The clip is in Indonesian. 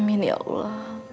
amin ya allah